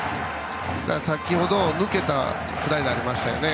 先程、抜けたスライダーがありましたね。